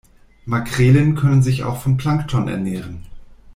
Makrelen können sich auch von Plankton ernähren.